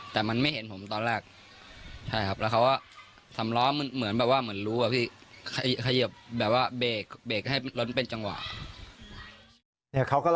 แต่มันไม่เห็นผมตอนแรก